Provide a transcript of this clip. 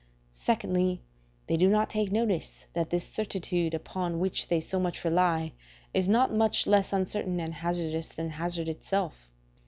Secondly, they do not take notice that this certitude upon which they so much rely is not much less uncertain and hazardous than hazard itself.